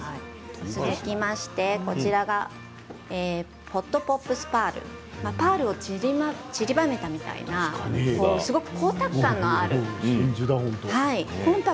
続きましてホットポップスパールパールをちりばめたみたいなすごく光沢感のある。